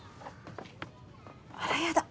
あらやだ